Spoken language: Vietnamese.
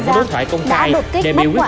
đã đối thoại công khai để biểu quyết